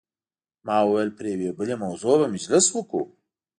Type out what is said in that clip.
ما وویل پر یوې بلې موضوع به مجلس وکړو.